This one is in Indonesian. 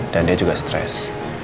dan dia juga stres